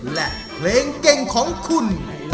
และเพลงเก่งของคุณ